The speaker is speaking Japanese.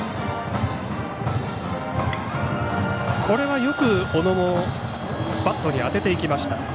これはよく小野もバットに当てていきました。